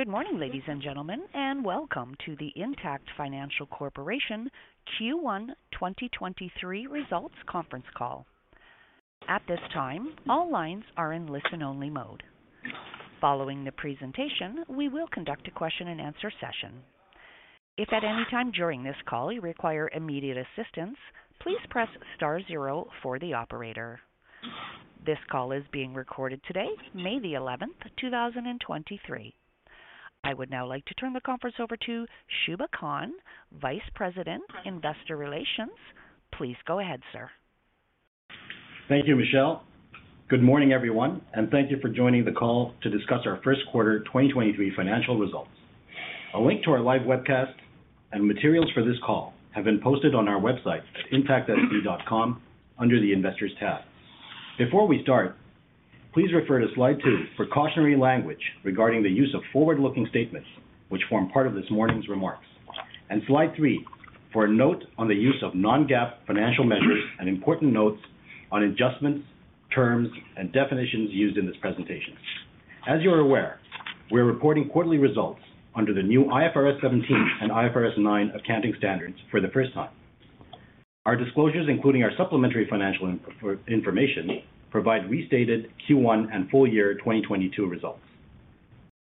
Good morning, ladies and gentlemen, and welcome to the Intact Financial Corporation Q1 2023 Results Conference Call. At this time, all lines are in listen-only mode. Following the presentation, we will conduct a question-and-answer session. If at any time during this call you require immediate assistance, please press star zero for the operator. This call is being recorded today, May 11, 2023. I would now like to turn the conference over to Shubha Khan, Vice President, Investor Relations. Please go ahead, sir. Thank you, Michelle. Good morning, everyone, and thank you for joining the call to discuss ourQ1 2023 financial results. A link to our live webcast and materials for this call have been posted on our website at intactfc.com under the Investors tab. Before we start, please refer to slide two for cautionary language regarding the use of forward-looking statements, which form part of this morning's remarks, and slide three for a note on the use of non-GAAP financial measures and important notes on adjustments, terms, and definitions used in this presentation. As you are aware, we're reporting quarterly results under the new IFRS 17 and IFRS 9 accounting standards for the first time. Our disclosures, including our supplementary financial in-information, provide restated Q1 and full year 2022 results.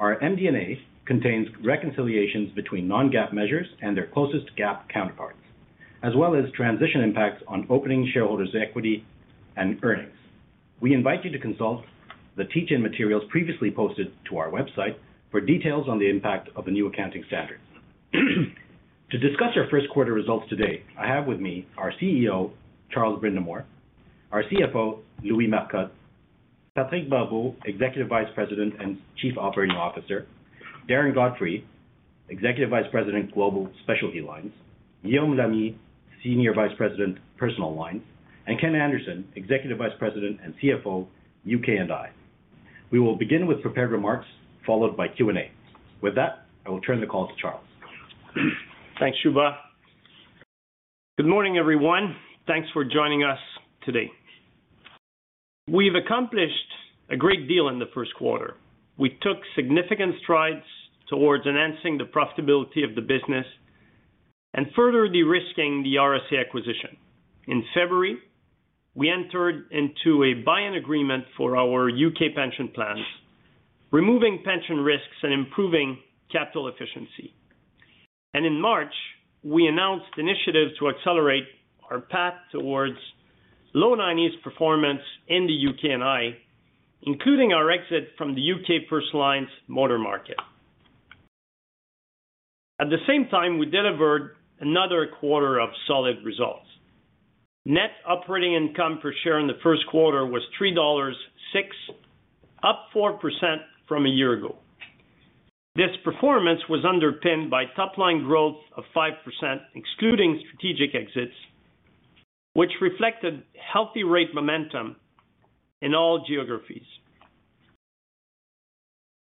Our MD&A contains reconciliations between non-GAAP measures and their closest GAAP counterparts, as well as transition impacts on opening shareholders' equity and earnings. We invite you to consult the teach-in materials previously posted to our website for details on the impact of the new accounting standards. To discuss our Q1 results today, I have with me our CEO, Charles Brindamour, our CFO, Louis Marcotte, Patrick Barbeau, Executive Vice President and Chief Operating Officer, Darren Godfrey, Executive Vice President, Global Specialty Lines, Guillaume Lamy, Senior Vice President, Personal Lines, and Kenneth Anderson, Executive Vice President and CFO, UK&I. We will begin with prepared remarks followed by Q&A. With that, I will turn the call to Charles. Thanks, Shubha. Good morning, everyone. Thanks for joining us today. We've accomplished a great deal in the Q1. We took significant strides towards enhancing the profitability of the business and further de-risking the RSA acquisition. In February, we entered into a buy-in agreement for our U.K. pension plans, removing pension risks and improving capital efficiency. In March, we announced initiatives to accelerate our path towards low 90s performance in the UK&I, including our exit from the U.K. personal lines motor market. At the same time, we delivered another quarter of solid results. Net operating income per share in the Q1 was $3.06, up 4% from a year ago. This performance was underpinned by top-line growth of 5%, excluding strategic exits, which reflected healthy rate momentum in all geographies.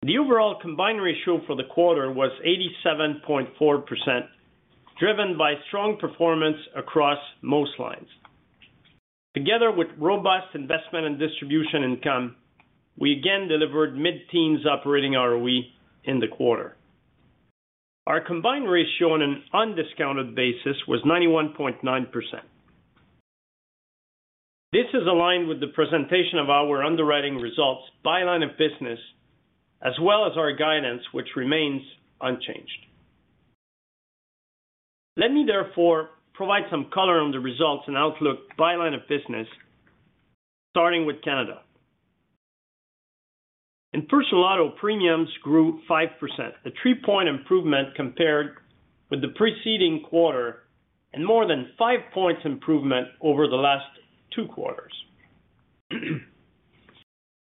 The overall combined ratio for the quarter was 87.4%, driven by strong performance across most lines. Together with robust investment and distribution income, we again delivered mid-teens operating ROE in the quarter. Our combined ratio on an undiscounted basis was 91.9%. This is aligned with the presentation of our underwriting results by line of business as well as our guidance, which remains unchanged. Let me therefore provide some color on the results and outlook by line of business, starting with Canada. In personal auto, premiums grew 5%, a three-point improvement compared with the preceding quarter and more than five points improvement over the last two quarters.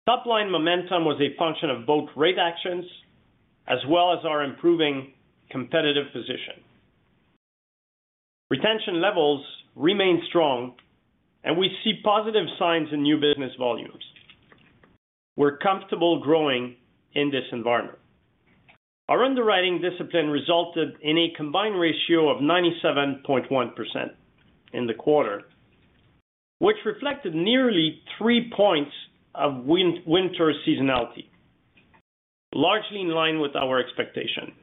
Top line momentum was a function of both rate actions as well as our improving competitive position. Retention levels remain strong and we see positive signs in new business volumes. We're comfortable growing in this environment. Our underwriting discipline resulted in a combined ratio of 97.1% in the quarter, which reflected nearly three points of winter seasonality, largely in line with our expectation.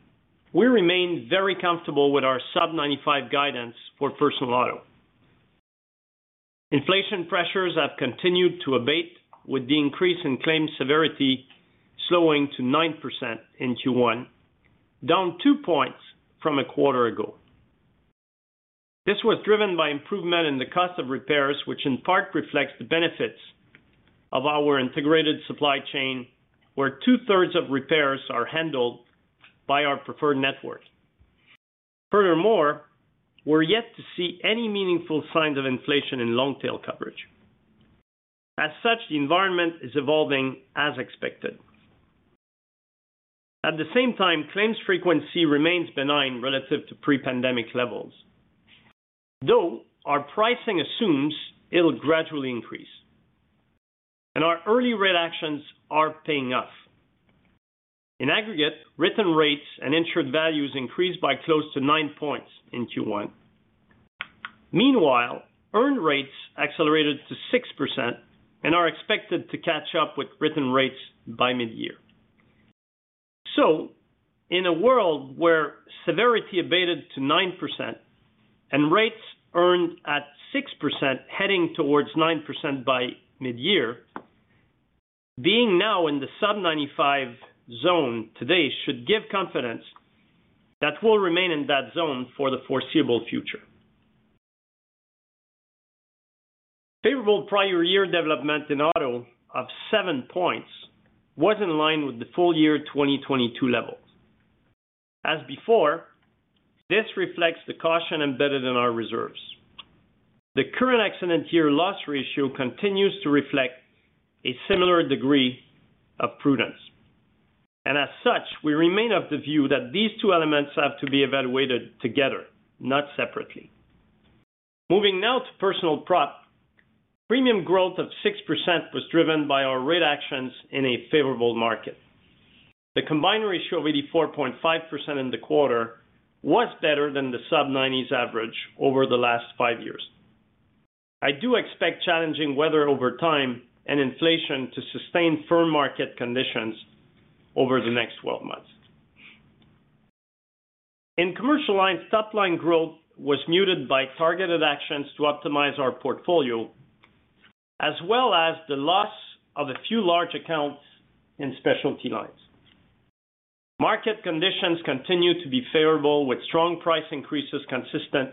We remain very comfortable with our sub-95 guidance for personal auto. Inflation pressures have continued to abate with the increase in claim severity slowing to 9% in Q1, down two points from a quarter ago. This was driven by improvement in the cost of repairs, which in part reflects the benefits of our integrated supply chain, where two-thirds of repairs are handled by our preferred network. We're yet to see any meaningful signs of inflation in long-tail coverage. The environment is evolving as expected. At the same time, claims frequency remains benign relative to pre-pandemic levels, though our pricing assumes it will gradually increase and our early rate actions are paying off. In aggregate, written rates and insured values increased by close to nine points in Q1. Meanwhile, earned rates accelerated to 6% and are expected to catch up with written rates by mid-year. In a world where severity abated to 9% and rates earned at 6% heading towards 9% by mid-year, being now in the sub 95 zone today should give confidence that we'll remain in that zone for the foreseeable future. Favorable prior year development in auto of seven points was in line with the full year 2022 levels. As before, this reflects the caution embedded in our reserves. The current accident year loss ratio continues to reflect a similar degree of prudence. We remain of the view that these two elements have to be evaluated together, not separately. Moving now to personal prop. Premium growth of 6% was driven by our rate actions in a favorable market. The combined ratio of 84.5% in the quarter was better than the sub-90s average over the last five years. I do expect challenging weather over time and inflation to sustain firm market conditions over the next 12 months. In commercial lines, top line growth was muted by targeted actions to optimize our portfolio, as well as the loss of a few large accounts in specialty lines. Market conditions continue to be favorable with strong price increases consistent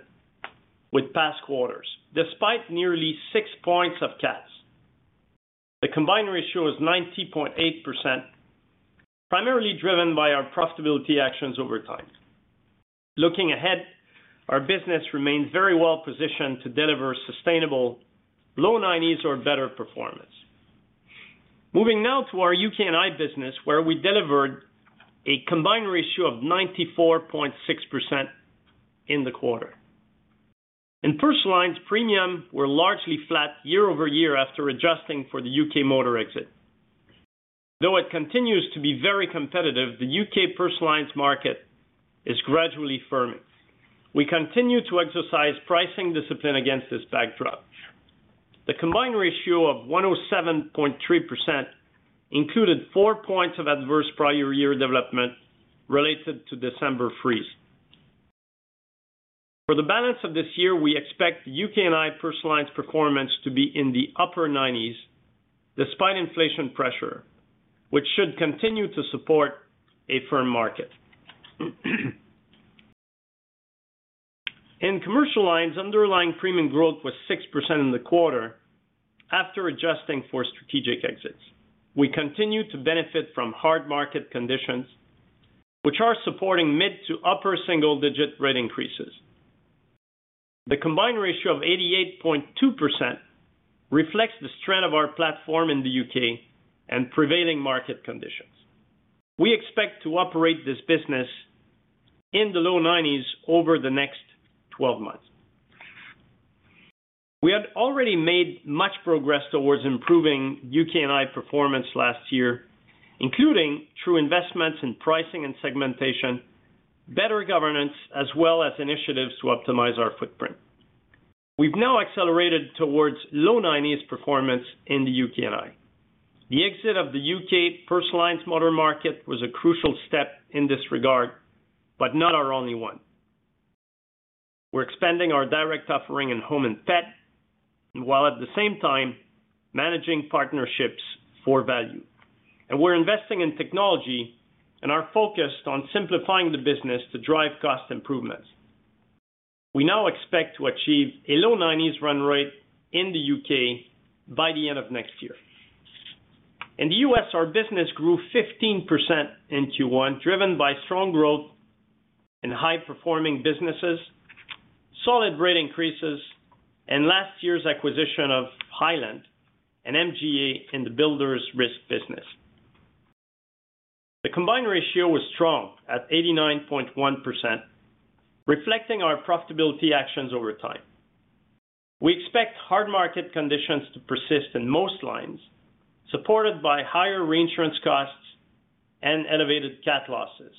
with past quarters, despite nearly 6 points of cats. The combined ratio is 90.8%, primarily driven by our profitability actions over time. Looking ahead, our business remains very well positioned to deliver sustainable low 90s or better performance. Moving now to our UK&I business, where we delivered a combined ratio of 94.6% in the quarter. In personal lines, premium were largely flat YoY after adjusting for the U.K. motor exit. Though it continues to be very competitive, the U.K. personal lines market is gradually firming. We continue to exercise pricing discipline against this backdrop. The combined ratio of 107.3% included four points of adverse prior year development related to December freeze. For the balance of this year, we expect UK&I personal lines performance to be in the upper 90s despite inflation pressure, which should continue to support a firm market. In commercial lines, underlying premium growth was 6% in the quarter after adjusting for strategic exits. We continue to benefit from hard market conditions, which are supporting mid to upper single-digit rate increases. The combined ratio of 88.2% reflects the strength of our platform in the U.K. and prevailing market conditions. We expect to operate this business in the low 90s over the next 12 months. We had already made much progress towards improving U.K. and I. performance last year, including through investments in pricing and segmentation, better governance, as well as initiatives to optimize our footprint. We've now accelerated towards low 90s performance in the U.K. and I. The exit of the U.K. personal lines motor market was a crucial step in this regard, but not our only one. We're expanding our direct offering in home and pet, while at the same time managing partnerships for value. We're investing in technology and are focused on simplifying the business to drive cost improvements. We now expect to achieve a low 90s run rate in the U.K. by the end of next year. In the U.S., our business grew 15% in Q1, driven by strong growth in high-performing businesses, solid rate increases, and last year's acquisition of Highland, an MGA in the builders risk business. The combined ratio was strong at 89.1%, reflecting our profitability actions over time. We expect hard market conditions to persist in most lines, supported by higher reinsurance costs and elevated cat losses.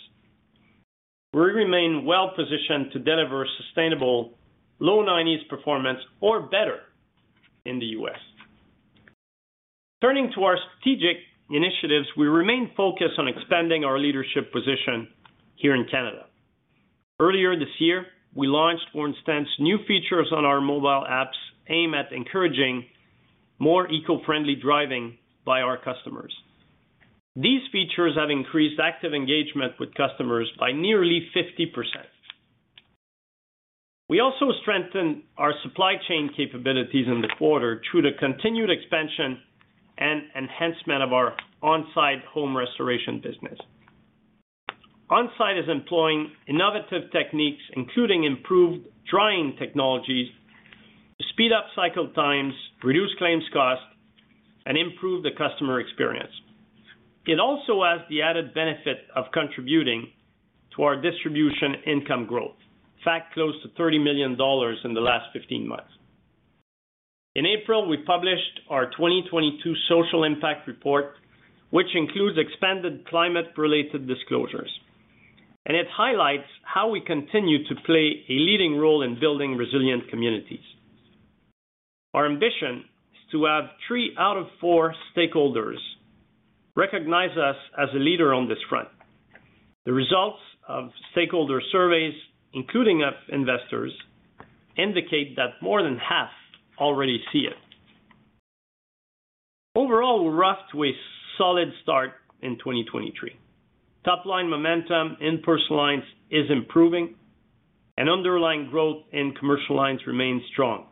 We remain well positioned to deliver sustainable low 90s performance or better in the U.S. Turning to our strategic initiatives, we remain focused on expanding our leadership position here in Canada. Earlier this year, we launched, for instance, new features on our mobile apps aimed at encouraging more eco-friendly driving by our customers. These features have increased active engagement with customers by nearly 50%. We also strengthened our supply chain capabilities in the quarter through the continued expansion and enhancement of our On Side Restoration business. On Side is employing innovative techniques, including improved drying technologies, to speed up cycle times, reduce claims costs, and improve the customer experience. It also has the added benefit of contributing to our distribution income growth. In fact, close to 30 million dollars in the last 15 months. In April, we published our 2022 social impact report, which includes expanded climate-related disclosures. It highlights how we continue to play a leading role in building resilient communities. Our ambition is to have three out of four stakeholders recognize us as a leader on this front. The results of stakeholder surveys, including of investors, indicate that more than half already see it. Overall, we're off to a solid start in 2023. Top line momentum in personal lines is improving and underlying growth in commercial lines remains strong.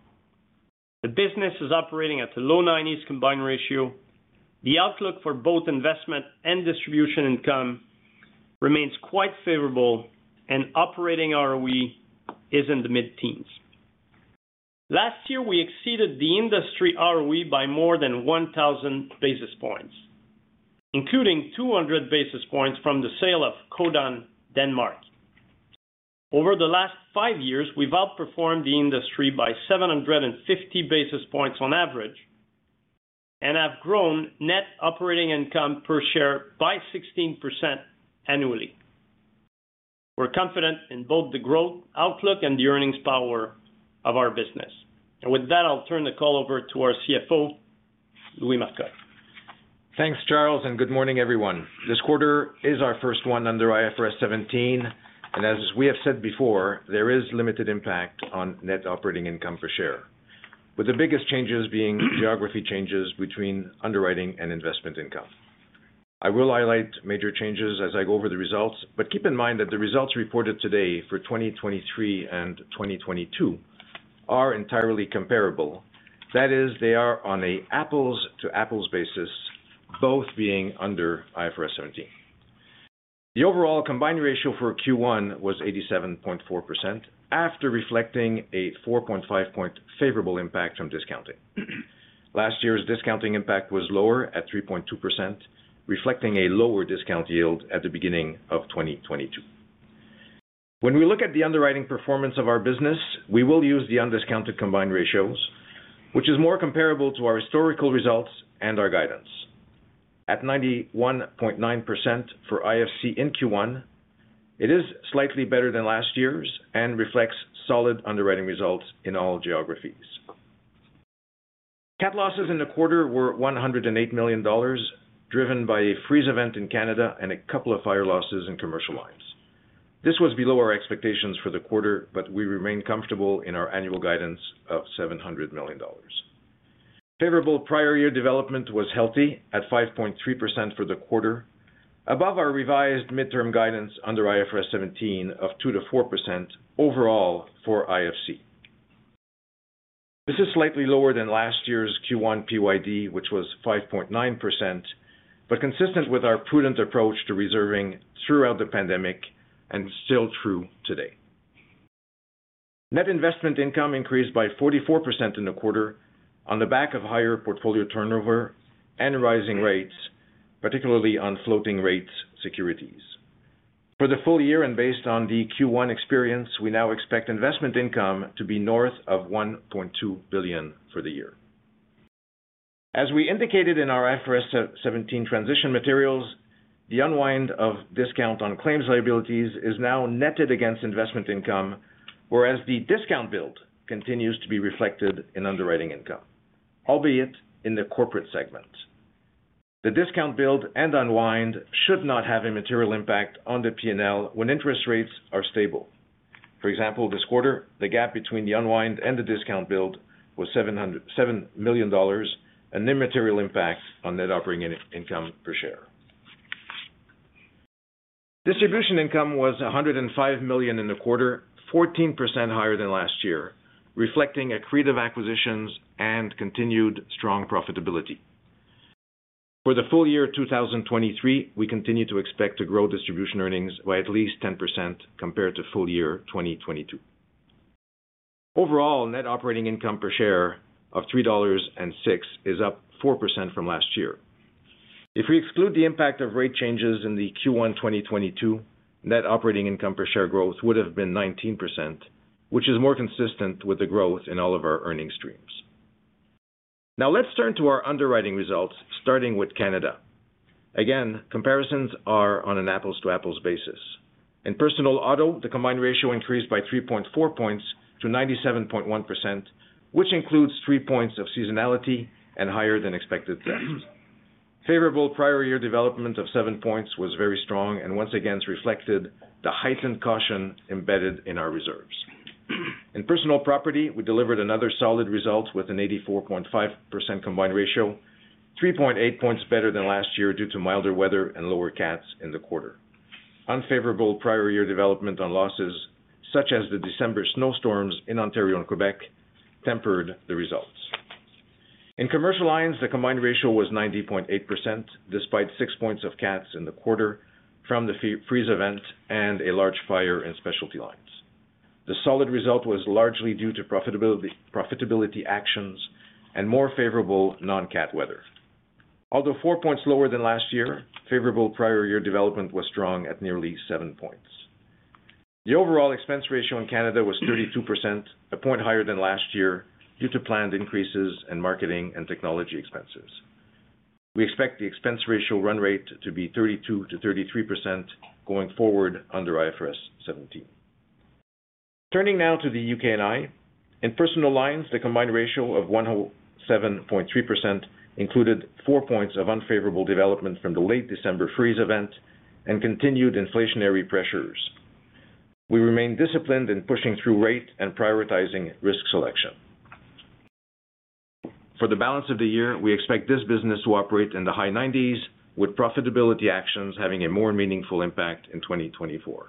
The business is operating at the low 90s combined ratio. The outlook for both investment and distribution income remains quite favorable, and operating ROE is in the mid-teens. Last year, we exceeded the industry ROE by more than 1,000 basis points, including 200 basis points from the sale of Codan Denmark. Over the last five years, we've outperformed the industry by 750 basis points on average and have grown net operating income per share by 16% annually. We're confident in both the growth outlook and the earnings power of our business. With that, I'll turn the call over to our CFO, Louis Marcotte. Thanks, Charles. Good morning, everyone. This quarter is our first one under IFRS 17, as we have said before, there is limited impact on net operating income per share, with the biggest changes being geography changes between underwriting and investment income. I will highlight major changes as I go over the results, keep in mind that the results reported today for 2023 and 2022 are entirely comparable. That is, they are on a apples to apples basis, both being under IFRS 17. The overall combined ratio for Q1 was 87.4% after reflecting a 4.5 point favorable impact from discounting. Last year's discounting impact was lower at 3.2%, reflecting a lower discount yield at the beginning of 2022. When we look at the underwriting performance of our business, we will use the undiscounted combined ratios, which is more comparable to our historical results and our guidance. At 91.9% for IFC in Q1, it is slightly better than last year's and reflects solid underwriting results in all geographies. Cat losses in the quarter were 108 million dollars, driven by a freeze event in Canada and a couple of fire losses in commercial lines. This was below our expectations for the quarter, but we remain comfortable in our annual guidance of 700 million dollars. Favorable prior year development was healthy at 5.3% for the quarter, above our revised midterm guidance under IFRS 17 of 2%-4% overall for IFC. This is slightly lower than last year's Q1 PYD, which was 5.9%, consistent with our prudent approach to reserving throughout the pandemic and still true today. Net investment income increased by 44% in the quarter on the back of higher portfolio turnover and rising rates, particularly on floating rate securities. For the full year, based on the Q1 experience, we now expect investment income to be north of 1.2 billion for the year. As we indicated in our IFRS 17 transition materials, the unwind of discount on claims liabilities is now netted against investment income, whereas the discount build continues to be reflected in underwriting income, albeit in the corporate segment. The discount build and unwind should not have a material impact on the P&L when interest rates are stable. For example, this quarter, the gap between the unwind and the discount build was $7 million and their material impact on net operating income per share. Distribution income was $105 million in the quarter, 14% higher than last year, reflecting accretive acquisitions and continued strong profitability. For the full year 2023, we continue to expect to grow distribution earnings by at least 10% compared to full year 2022. Overall, net operating income per share of $3.06 is up 4% from last year. If we exclude the impact of rate changes in the Q1 2022, net operating income per share growth would have been 19%, which is more consistent with the growth in all of our earning streams. Let's turn to our underwriting results, starting with Canada. Again, comparisons are on an apples-to-apples basis. In personal auto, the combined ratio increased by 3.4 points to 97.1%, which includes three points of seasonality and higher than expected thefts. Favorable prior year development of seven points was very strong and once again reflected the heightened caution embedded in our reserves. In personal property, we delivered another solid result with an 84.5% combined ratio, 3.8 points better than last year due to milder weather and lower cats in the quarter. Unfavorable prior year development on losses such as the December snowstorms in Ontario and Quebec tempered the results. In commercial lines, the combined ratio was 90.8%, despite 6 points of cats in the quarter from the freeze event and a large fire in specialty lines. The solid result was largely due to profitability actions and more favorable non-cat weather. Although four points lower than last year, favorable prior year development was strong at nearly seven points. The overall expense ratio in Canada was 32%, a point higher than last year due to planned increases in marketing and technology expenses. We expect the expense ratio run rate to be 32%-33% going forward under IFRS 17. Turning now to the UK&I. In personal lines, the combined ratio of 107.3% included points of unfavorable development from the late December freeze event and continued inflationary pressures. We remain disciplined in pushing through rate and prioritizing risk selection. For the balance of the year, we expect this business to operate in the high 90s, with profitability actions having a more meaningful impact in 2024.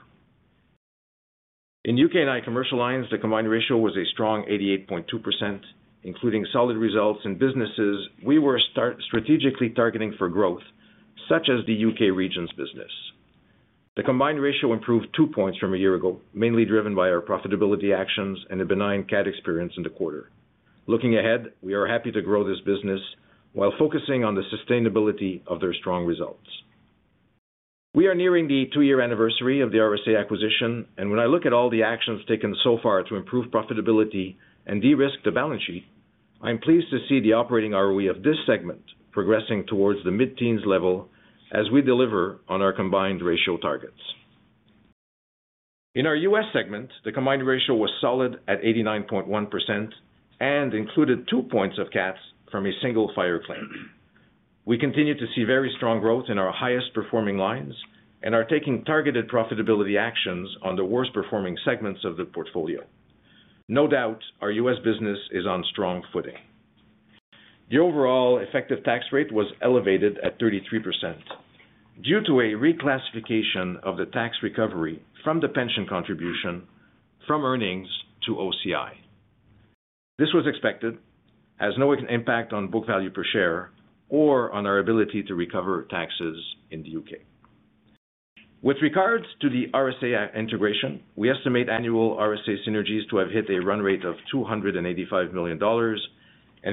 In UK&I commercial lines, the combined ratio was a strong 88.2%, including solid results in businesses we were strategically targeting for growth, such as the U.K. regions business. The combined ratio improved two points from a year ago, mainly driven by our profitability actions and a benign cat experience in the quarter. Looking ahead, we are happy to grow this business while focusing on the sustainability of their strong results. We are nearing the two-year anniversary of the RSA acquisition, and when I look at all the actions taken so far to improve profitability and de-risk the balance sheet, I am pleased to see the operating ROE of this segment progressing towards the mid-teens level as we deliver on our combined ratio targets. In our U.S. segment, the combined ratio was solid at 89.1% and included two points of cats from a single fire claim. We continue to see very strong growth in our highest performing lines and are taking targeted profitability actions on the worst-performing segments of the portfolio. No doubt our U.S. business is on strong footing. The overall effective tax rate was elevated at 33% due to a reclassification of the tax recovery from the pension contribution from earnings to OCI. This was expected, has no impact on book value per share or on our ability to recover taxes in the U.K. With regards to the RSA integration, we estimate annual RSA synergies to have hit a run rate of $285 million,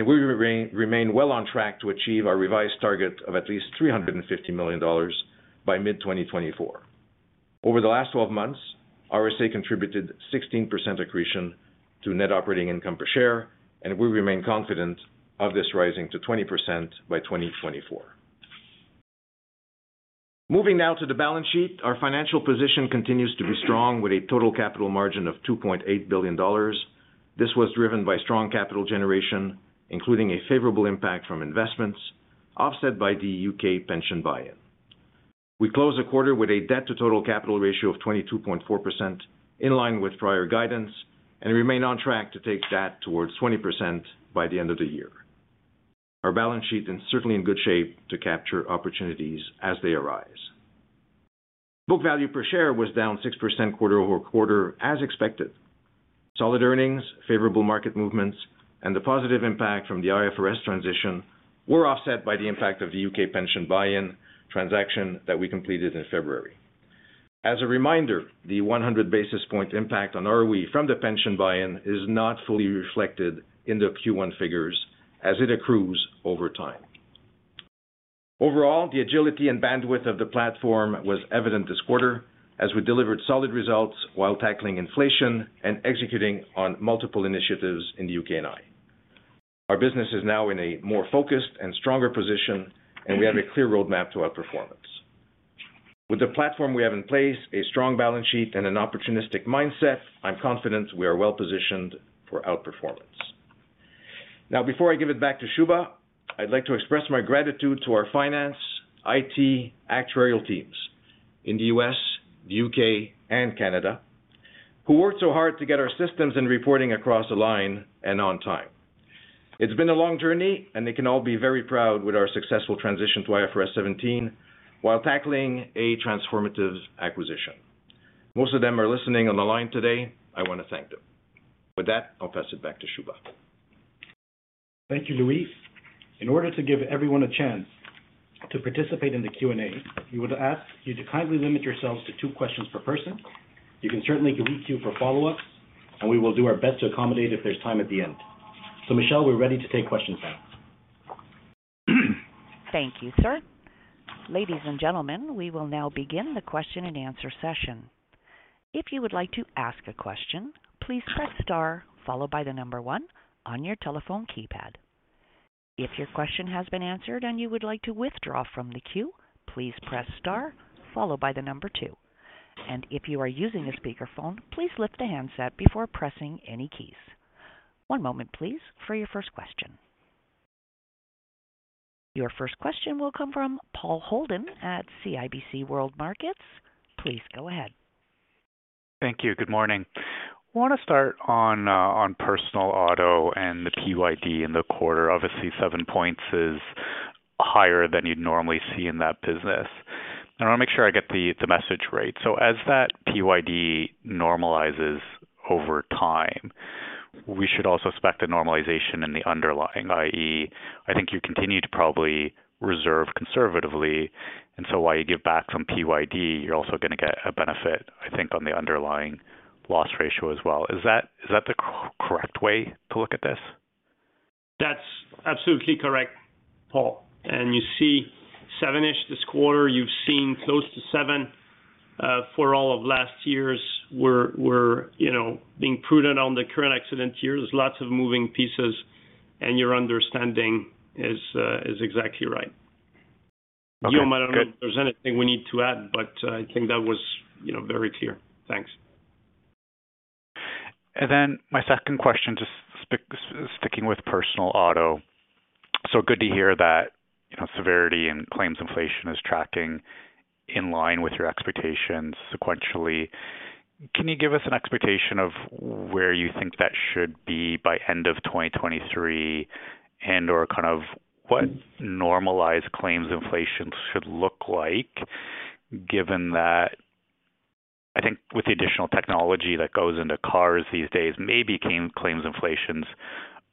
we remain well on track to achieve our revised target of at least $350 million by mid-2024. Over the last 12 months, RSA contributed 16% accretion to net operating income per share, we remain confident of this rising to 20% by 2024. Moving now to the balance sheet. Our financial position continues to be strong with a total capital margin of $2.8 billion. This was driven by strong capital generation, including a favorable impact from investments offset by the UK pension buy-in. We close the quarter with a debt-to-total-capital ratio of 22.4%, in line with prior guidance and remain on track to take debt towards 20% by the end of the year. Our balance sheet is certainly in good shape to capture opportunities as they arise. book value per share was down 6% quarter-over-quarter as expected. Solid earnings, favorable market movements and the positive impact from the IFRS transition were offset by the impact of the U.K. pension buy-in transaction that we completed in February. As a reminder, the 100 basis point impact on ROE from the pension buy-in is not fully reflected in the Q1 figures as it accrues over time. Overall, the agility and bandwidth of the platform was evident this quarter as we delivered solid results while tackling inflation and executing on multiple initiatives in the UK&I. Our business is now in a more focused and stronger position and we have a clear roadmap to outperformance. With the platform we have in place a strong balance sheet and an opportunistic mindset, I'm confident we are well positioned for outperformance. Before I give it back to Shubha, I'd like to express my gratitude to our finance, IT, actuarial teams in the U.S., the U.K. and Canada who worked so hard to get our systems and reporting across the line and on time. It's been a long journey and they can all be very proud with our successful transition to IFRS 17 while tackling a transformative acquisition. Most of them are listening on the line today. I want to thank them. I'll pass it back to Shubha. Thank you, Louis. In order to give everyone a chance to participate in the Q&A, we would ask you to kindly limit yourselves to two questions per person. You can certainly queue for follow ups and we will do our best to accommodate if there's time at the end. Michelle, we're ready to take questions now. Thank you, sir. Ladies and gentlemen, we will now begin the question and answer session. If you would like to ask a question, please press star followed by the number one on your telephone keypad. If your question has been answered and you would like to withdraw from the queue, please press star followed by the number two. If you are using a speakerphone, please lift the handset before pressing any keys. One moment please, for your first question. Your first question will come from Paul Holden at CIBC World Markets. Please go ahead. Thank you. Good morning. I want to start on personal auto and the PYD in the quarter. Obviously seven points is higher than you'd normally see in that business. I want to make sure I get the message right. As that PYD normalizes over time, we should also expect a normalization in the underlying, i.e. I think you continue to probably reserve conservatively. While you give back some PYD, you're also going to get a benefit, I think on the underlying loss ratio as well. Is that the correct way to look at this? Absolutely correct, Paul. You see seven-ish this quarter, you've seen close to seven for all of last year's. We're, you know, being prudent on the current accident year. There's lots of moving pieces, your understanding is exactly right. Okay. Guillaume, I don't know if there's anything we need to add, but I think that was, you know, very clear. Thanks. My second question, sticking with personal auto. Good to hear that, you know, severity and claims inflation is tracking in line with your expectations sequentially. Can you give us an expectation of where you think that should be by end of 2023 and/or kind of what normalized claims inflation should look like given that I think with the additional technology that goes into cars these days maybe claims inflation's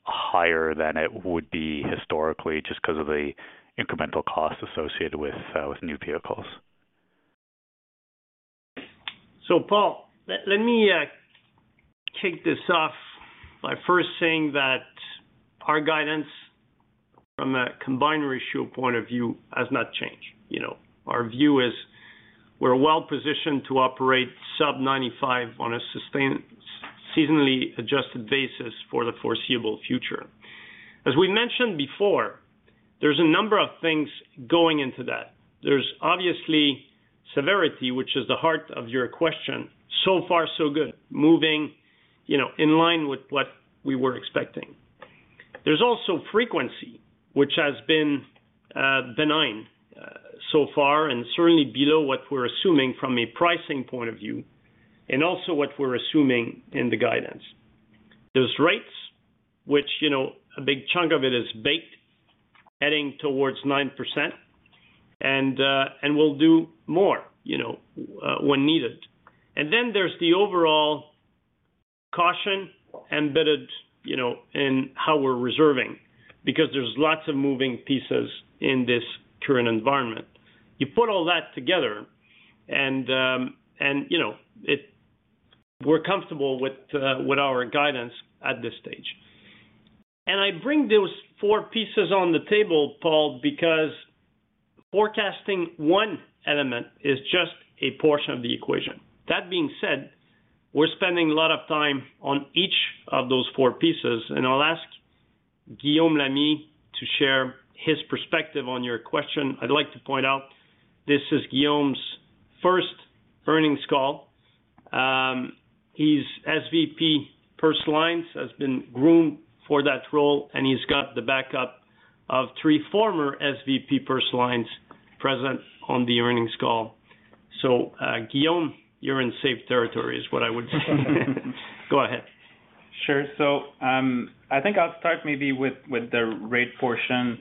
higher than it would be historically just because of the incremental cost associated with new vehicles? Paul, let me kick this off by first saying that our guidance from a combined ratio point of view has not changed. You know, our view is we're well positioned to operate sub-95 on a sustained seasonally adjusted basis for the foreseeable future. As we mentioned before, there's a number of things going into that. There's obviously severity, which is the heart of your question. So far so good. Moving, you know, in line with what we were expecting. There's also frequency, which has been benign so far and certainly below what we're assuming from a pricing point of view and also what we're assuming in the guidance. There's rates, which, you know, a big chunk of it is baked, heading towards 9%, and we'll do more, you know, when needed. There's the overall caution embedded, you know, in how we're reserving because there's lots of moving pieces in this current environment. You put all that together and, you know, we're comfortable with our guidance at this stage. I bring those four pieces on the table, Paul, because forecasting one element is just a portion of the equation. We're spending a lot of time on each of those four pieces, and I'll ask Guillaume Lamy to share his perspective on your question. I'd like to point out this is Guillaume's first earnings call. He's SVP Personal Lines, has been groomed for that role, and he's got the backup of three former SVP Personal Lines present on the earnings call. Guillaume, you're in safe territory is what I would say. Go ahead. Sure. I think I'll start maybe with the rate portion,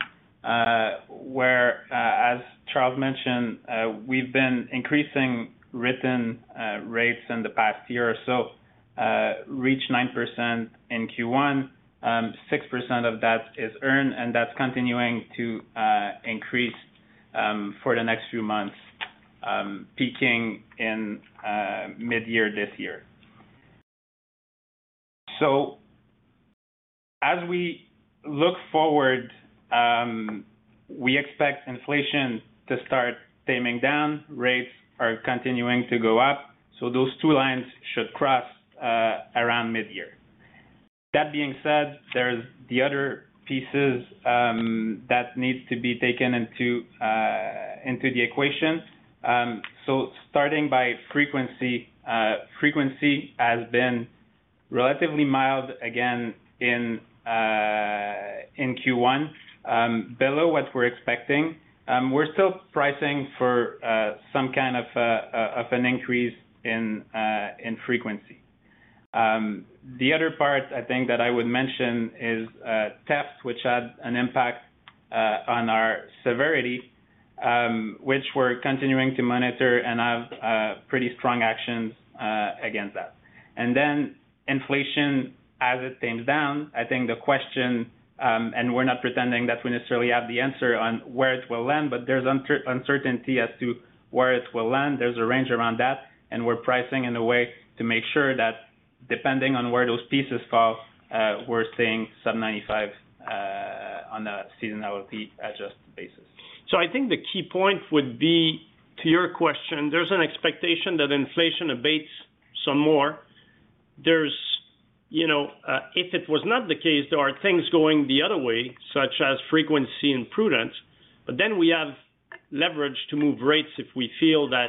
where as Charles mentioned, we've been increasing written rates in the past year or so, reached 9% in Q1. 6% of that is earned, and that's continuing to increase for the next few months, peaking in mid-year this year. As we look forward, we expect inflation to start taming down. Rates are continuing to go up, so those two lines should cross around mid-year. That being said, there's the other pieces that needs to be taken into the equation. Starting by frequency. Frequency has been relatively mild again in Q1, below what we're expecting. We're still pricing for some kind of an increase in frequency. The other part I think that I would mention is tests which had an impact on our severity, which we're continuing to monitor and have pretty strong actions against that. Inflation, as it tames down, I think the question, and we're not pretending that we necessarily have the answer on where it will land, but there's uncertainty as to where it will land. There's a range around that, and we're pricing in a way to make sure that depending on where those pieces fall, we're seeing some 95 on a seasonality adjusted basis. I think the key point would be to your question, there's an expectation that inflation abates some more. There's, you know, if it was not the case, there are things going the other way, such as frequency and prudence, but then we have leverage to move rates if we feel that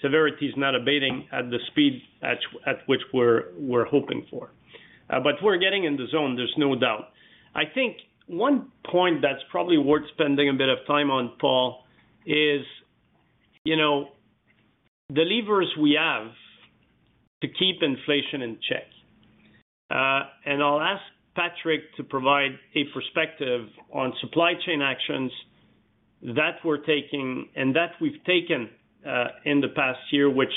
severity is not abating at the speed at which we're hoping for. We're getting in the zone, there's no doubt. I think one point that's probably worth spending a bit of time on, Paul, is, you know, the levers we have to keep inflation in check. I'll ask Patrick to provide a perspective on supply chain actions that we're taking and that we've taken in the past year. Which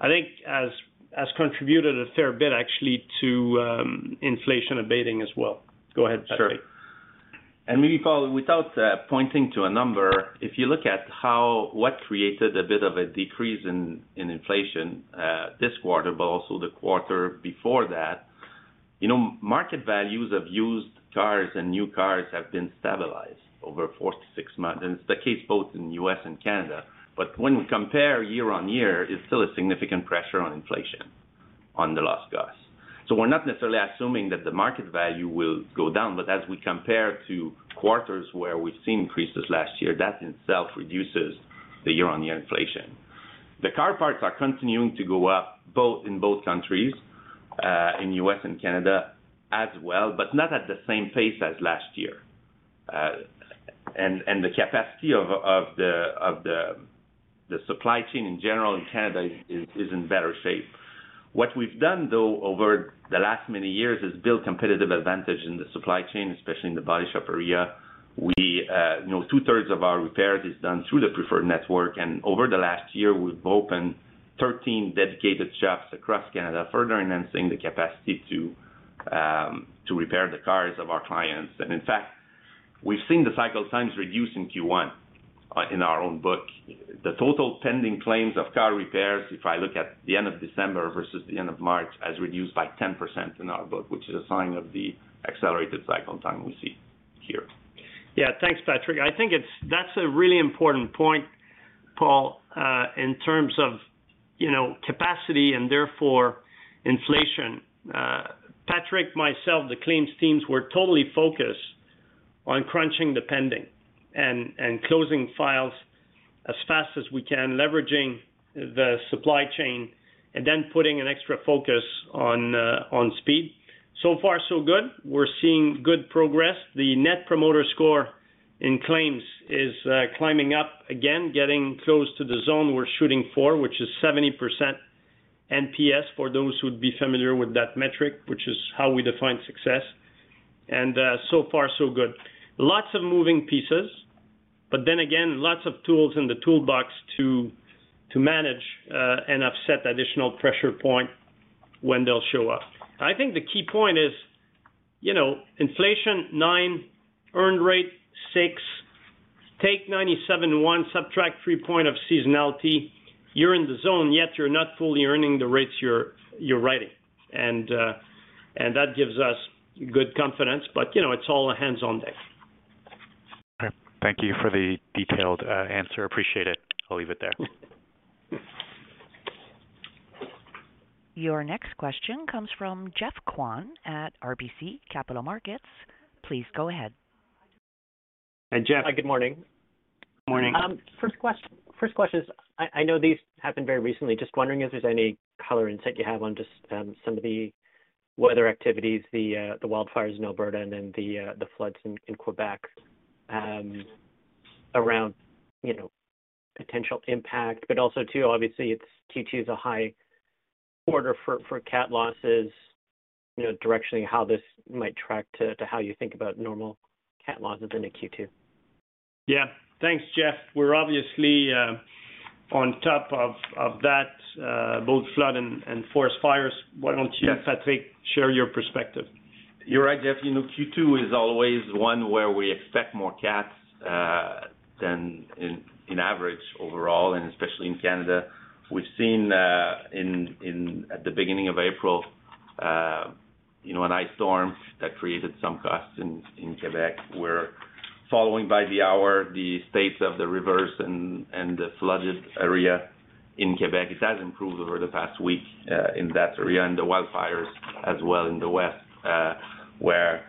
I think has contributed a fair bit actually to inflation abating as well. Go ahead, Patrick. Sure. Maybe Paul, without pointing to a number, if you look at how what created a bit of a decrease in inflation, this quarter but also the quarter before that. You know, market values of used cars and new cars have been stabilized over four to six months. It's the case both in U.S. and Canada. When we compare year-on-year, it's still a significant pressure on inflation on the loss costs. We're not necessarily assuming that the market value will go down, but as we compare to quarters where we've seen increases last year, that in itself reduces the year-on-year inflation. The car parts are continuing to go up in both countries, in U.S. and Canada as well, not at the same pace as last year. The capacity of the supply chain in general in Canada is in better shape. What we've done, though, over the last many years is build competitive advantage in the supply chain, especially in the body shop area. We, you know, two-thirds of our repairs is done through the preferred network. Over the last year, we've opened 13 dedicated shops across Canada, further enhancing the capacity to repair the cars of our clients. In fact, we've seen the cycle times reduce in Q1 in our own book. The total pending claims of car repairs, if I look at the end of December versus the end of March, has reduced by 10% in our book, which is a sign of the accelerated cycle time we see here. Yeah. Thanks, Patrick. That's a really important point, Paul, in terms of, you know, capacity and therefore inflation. Patrick, myself, the claims teams, we're totally focused on crunching the pending and closing files as fast as we can, leveraging the supply chain and then putting an extra focus on speed. So far so good. We're seeing good progress. The Net Promoter Score in claims is climbing up again, getting close to the zone we're shooting for, which is 70% NPS for those who'd be familiar with that metric, which is how we define success. So far so good. Lots of moving pieces, but then again, lots of tools in the toolbox to manage and offset additional pressure point when they'll show up. I think the key point is, you know, inflation 9%, earned rate 6%. Take 97.1, subtract 3.0 of seasonality, you're in the zone, yet you're not fully earning the rates you're writing. That gives us good confidence. You know, it's all a hands-on deck. Okay. Thank you for the detailed answer. Appreciate it. I'll leave it there. Your next question comes from Jeff Kwan at RBC Capital Markets. Please go ahead. Hi, Jeff. Hi, good morning. Morning. First question is, I know these happened very recently, just wondering if there's any color insight you have on just some of the weather activities, the wildfires in Alberta and then the floods in Quebec, around, you know, potential impact, but also too, obviously it's, Q2 is a high quarter for cat losses, you know, directionally how this might track to how you think about normal cat losses into Q2? Yeah. Thanks, Jeff. We're obviously on top of that, both flood and forest fires. Yes. Patrick, share your perspective. You're right, Jeff. You know, Q2 is always one where we expect more cats than in average overall, and especially in Canada. We've seen at the beginning of April, you know, an ice storm that created some costs in Quebec. We're following by the hour the states of the rivers and the flooded area in Quebec. It has improved over the past week in that area, and the wildfires as well in the West, where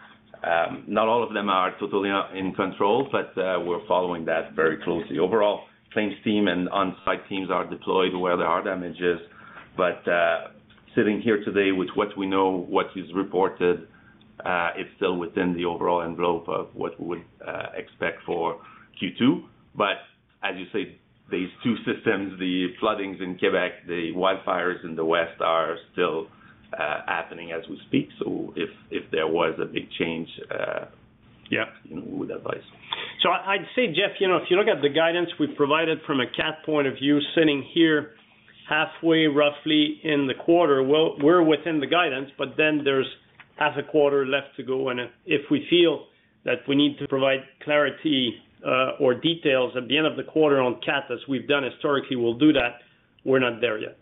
not all of them are totally in control, but we're following that very closely. Overall, claims team and on-site teams are deployed where there are damages. Sitting here today with what we know, what is reported, it's still within the overall envelope of what we would expect for Q2. As you say, these two systems, the floodings in Quebec, the wildfires in the West, are still happening as we speak. If there was a big change, Yeah You know, we'd advise. I'd say, Jeff, you know, if you look at the guidance we've provided from a cat point of view, sitting here halfway, roughly in the quarter, well, we're within the guidance, but then there's half a quarter left to go. If we feel that we need to provide clarity or details at the end of the quarter on cats, as we've done historically, we'll do that. We're not there yet.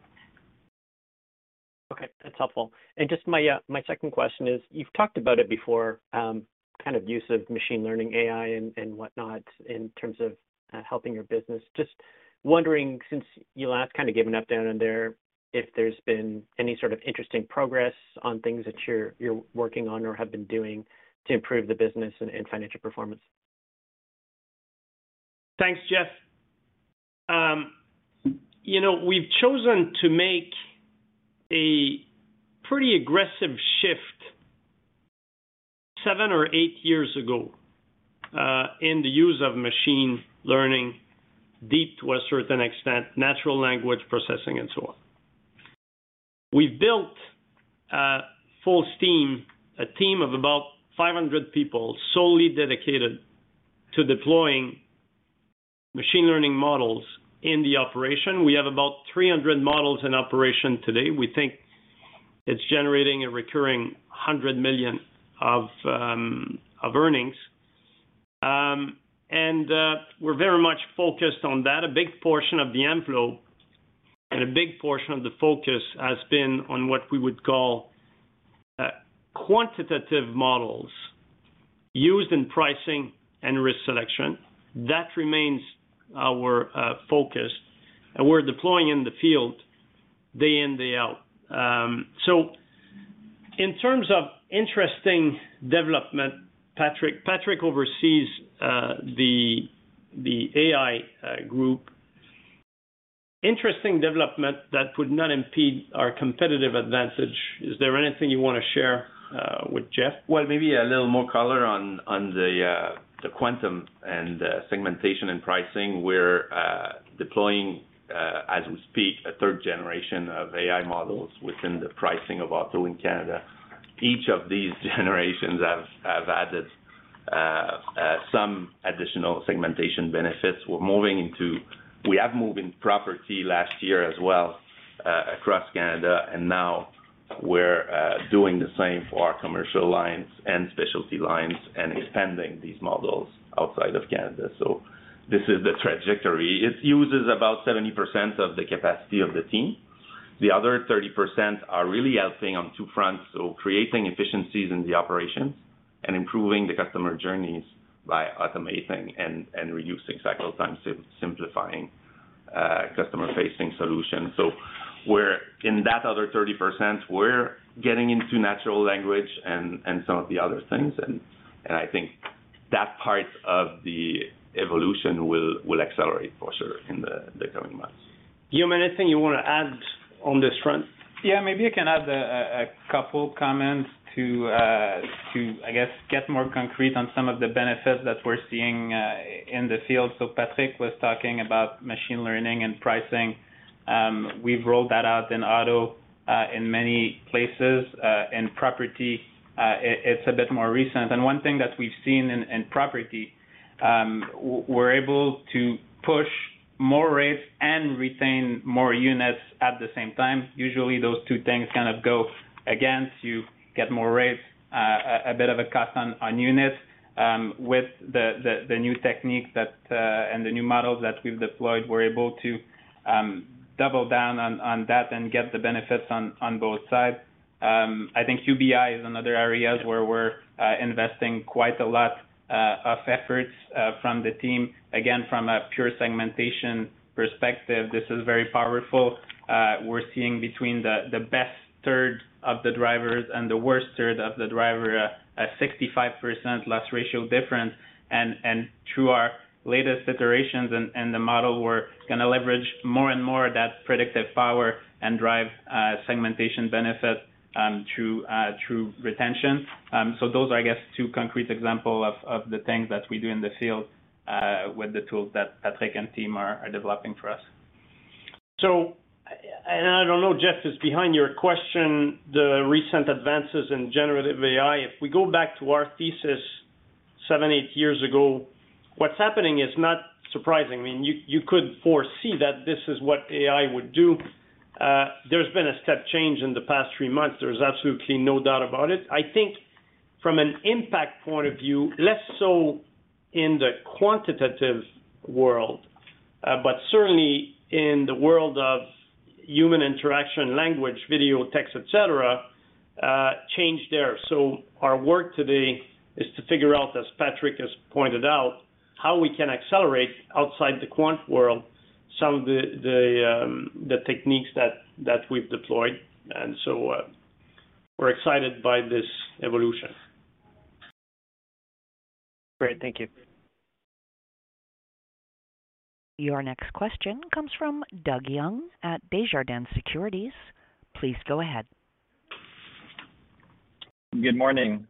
Okay. That's helpful. Just my second question is, you've talked about it before, kind of use of machine learning, AI and whatnot in terms of, helping your business. Just wondering, since you last kind of given up down in there, if there's been any sort of interesting progress on things that you're working on or have been doing to improve the business and financial performance? Thanks, Jeff. You know, we've chosen to make a pretty aggressive shift seven or eight years ago in the use of machine learning, deep to a certain extent, natural language processing and so on. We've built, full steam, a team of about 500 people solely dedicated to deploying machine learning models in the operation. We have about 300 models in operation today. We think it's generating a recurring 100 million of earnings. We're very much focused on that. A big portion of the envelope and a big portion of the focus has been on what we would call quantitative models used in pricing and risk selection. That remains our focus, and we're deploying in the field day in, day out. In terms of interesting development, Patrick. Patrick oversees the AI group. Interesting development that would not impede our competitive advantage. Is there anything you wanna share with Jeff? Well, maybe a little more color on the quantum and segmentation and pricing. We're deploying as we speak, a third generation of AI models within the pricing of auto in Canada. Each of these generations have added some additional segmentation benefits. We have moved in property last year as well across Canada, now we're doing the same for our commercial lines and specialty lines and expanding these models outside of Canada. This is the trajectory. It uses about 70% of the capacity of the team. The other 30% are really helping on two fronts. Creating efficiencies in the operations and improving the customer journeys by automating and reducing cycle times, simplifying customer-facing solutions.In that other 30%, we're getting into natural language and some of the other things. I think that part of the evolution will accelerate for sure in the coming months. Guillaume, anything you wanna add on this front? Yeah. Maybe I can add a couple comments to, I guess, get more concrete on some of the benefits that we're seeing in the field. Patrick was talking about machine learning and pricing. We've rolled that out in auto in many places. In property, it's a bit more recent. One thing that we've seen in property, we're able to push more rates and retain more units at the same time. Usually, those two things kind of go against. You get more rates, a bit of a cost on units. With the new techniques that and the new models that we've deployed, we're able to double down on that and get the benefits on both sides. I think UBI is another areas where we're investing quite a lot of efforts from the team. Again, from a pure segmentation perspective, this is very powerful. We're seeing between the best third of the drivers and the worst third of the driver, 65% loss ratio difference. Through our latest iterations and the model, we're gonna leverage more and more of that predictive power and drive segmentation benefit through retention. Those are, I guess, two concrete example of the things that we do in the field with the tools that Patrick and team are developing for us. I don't know, Jeff, if behind your question, the recent advances in Generative AI. If we go back to our thesis seven, eight years ago, what's happening is not surprising. I mean, you could foresee that this is what AI would do. There's been a step change in the past three months. There's absolutely no doubt about it. I think from an impact point of view, less so in the quantitative world, but certainly in the world of human interaction, language, video, text, et cetera, change there. Our work today is to figure out, as Patrick has pointed out, how we can accelerate outside the quant world some of the techniques that we've deployed. We're excited by this evolution. Great. Thank you. Your next question comes from Doug Young at Desjardins Securities. Please go ahead. Good morning.